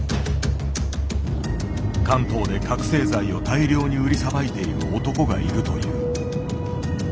関東で覚醒剤を大量に売りさばいている男がいるという。